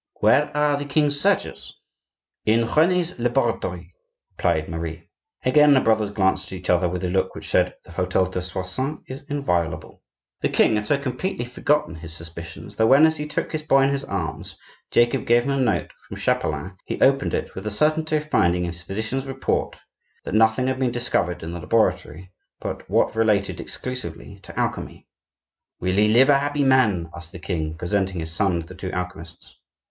"Where are the king's searchers?" "In Rene's laboratory," replied Marie. Again the brothers glanced at each other with a look which said: "The hotel de Soissons is inviolable." The king had so completely forgotten his suspicions that when, as he took his boy in his arms, Jacob gave him a note from Chapelain, he opened it with the certainty of finding in his physician's report that nothing had been discovered in the laboratory but what related exclusively to alchemy. "Will he live a happy man?" asked the king, presenting his son to the two alchemists.